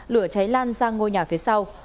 lửa cháy lan sang ngôi nhà phía sau